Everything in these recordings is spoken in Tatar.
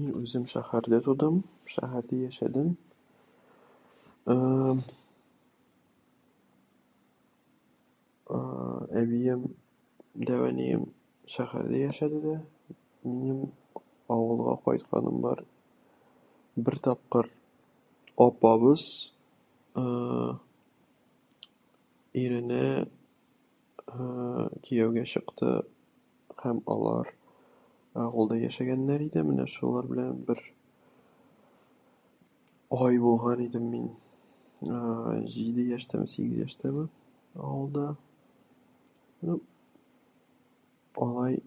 Мин үзем шәһәрдә тудым, шәһәр дә яшәдем. Ә-ә-ә, ә-ә, әбием, дәү әнием шәһәрдә яшәде дә. Минем авылга кайтканым бар. Бер тапкыр апабыз, ә-ә, иренә, ә-ә, кияүгә чыкты, һәм алар авылда яшәгәннәр иде, менә шулар белән бер... ай булган идем мин. Ә-ә, җиде яшьтәме, сигез яшьтәме авылда. Ну, алай,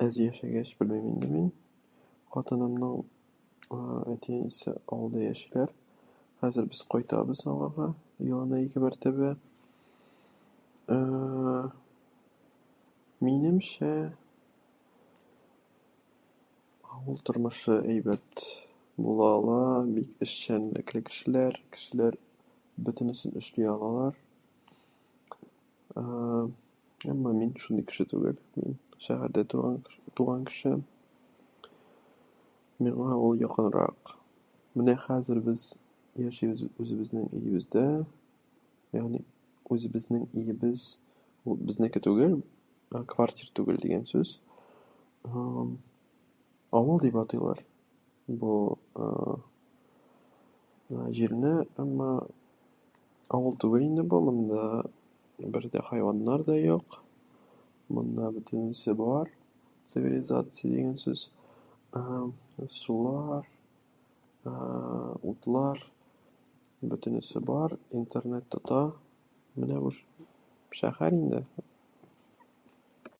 аз яшәгәч, белмим инде мин. Хатынымның ул, әти-әнисе авылда яшиләр. Хәзер без кайтабыз аңага, елына ике-бер теге. Ә-ә-ә, минемчә, авыл тормышы әйбәт була ала, бик эшчән теге кешеләр. Кешеләр бөтенесен эшли алалар. Ә-ә, әмма мин шундый кеше түгел. Мин.. шәһәрдә туган кеш- туган кеше. Миңа алар якынрак. Менә хәзер без яшибез үзебезнең өебездә, ә андый үзебезнең өебез, ул безнеке түгел, квартира түгел дигән сүз, ә-әм, авыл дип атыйлар. Бу, ә-ә, җирне, әмма авыл түгел инде бу, монда бер дә хайваннар да юк. Монда бөтенесе бар, цивилизация дигән сүз. Ә-ә, сулар, ә-ә, утлар, бөтенесе бар, интернет тота. Менә уж, шәһәр инде.